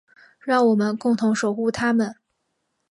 让我们共同守护她们。